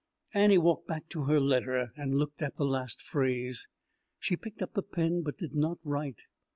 Annie walked back to her letter, and looked at its last phrase. She picked up the pen, but did not write.